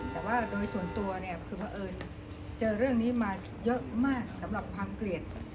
แต่ว่าโดยส่วนตัวเนี่ยคือเพราะเอิญเจอเรื่องนี้มาเยอะมากสำหรับความเกลียด